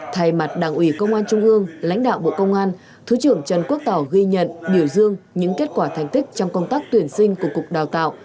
thay mặt đảng ủy công an trung ương lãnh đạo bộ công an thứ trưởng trần quốc tỏ ghi nhận biểu dương những kết quả thành tích trong công tác tuyển sinh của cục đào tạo